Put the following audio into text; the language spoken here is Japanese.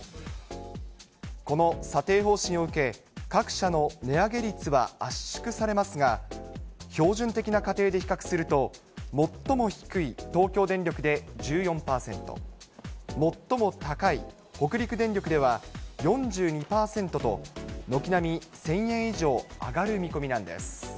この査定方針を受け、各社の値上げ率は圧縮されますが、標準的な家庭で比較すると、最も低い東京電力で１４％、最も高い北陸電力では４２％と、軒並み１０００円以上、上がる見込みなんです。